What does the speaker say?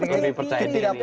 tidak perlu apa apa